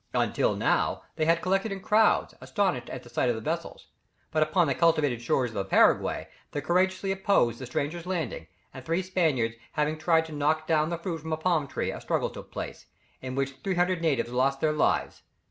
Until now, they had collected in crowds, astonished at the sight of the vessels; but upon the cultivated shores of the Paraguay they courageously opposed the strangers' landing, and three Spaniards having tried to knock down the fruit from a palm tree, a struggle took place, in which 300 natives lost their lives.